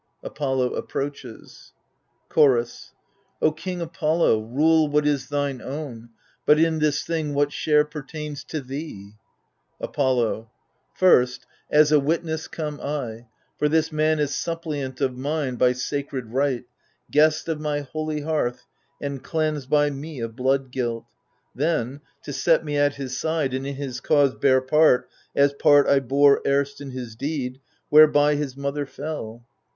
[Apollo approaches. Chorus O king Apollo, rule what is thine own. But in this thing what share pertains to thee ? Apollo First, as a witness come I, for this man Is suppliant of mine by sacred right, Guest of my holy hearth and cleansed by me Of blood guilt : then, to set me at his side And in his cause bear part, as part I bore Erst in his deed, whereby his mother fell.